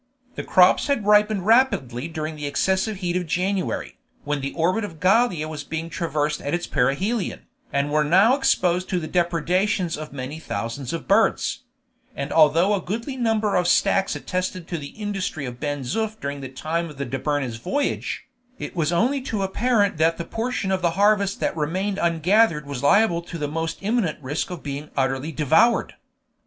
The crops had ripened rapidly during the excessive heat of January, when the orbit of Gallia was being traversed at its perihelion, and were now exposed to the depredations of many thousands of birds; and although a goodly number of stacks attested the industry of Ben Zoof during the time of the Dobryna's voyage, it was only too apparent that the portion of the harvest that remained ungathered was liable to the most imminent risk of being utterly devoured.